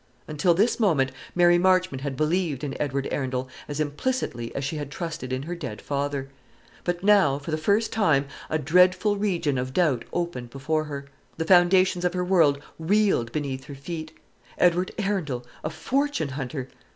Until this moment, Mary Marchmont had believed in Edward Arundel as implicitly as she had trusted in her dead father. But now, for the first time, a dreadful region of doubt opened before her; the foundations of her world reeled beneath her feet. Edward Arundel a fortune hunter!